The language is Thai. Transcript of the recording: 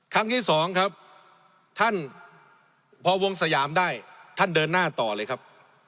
ครั้งที่สองครับท่านพอวงสยามได้ท่านเดินหน้าต่อเลยครับ